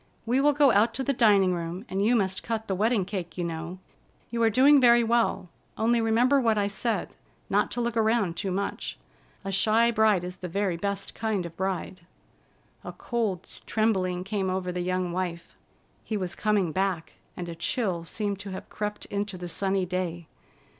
We will go out to the dining room, and you must cut the wedding cake, you know. You are doing very well, only remember what I said: not to look around too much. A shy bride is the very best kind of bride." A cold trembling came over the young wife. He was coming back, and a chill seemed to have crept into the sunny day.